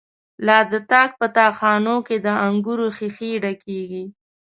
لا د تاک په تا خانو کی، دانګور ښيښی ډکيږی